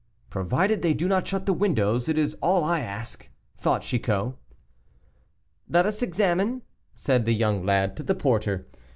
"Provided they do not shut the windows, it is all I ask," thought Chicot. "Let us examine," said the young lad to the porter.